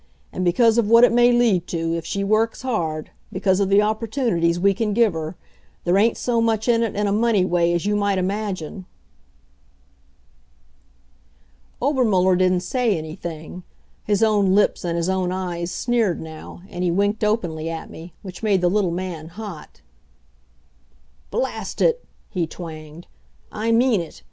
And because of what it may lead to, if she works hard, because of the opportunities we can give her, there ain't so much in it in a money way as you might imagine." Obermuller didn't say anything. His own lips and his own eyes sneered now, and he winked openly at me, which made the little man hot. "Blast it!" he twanged. "I mean it.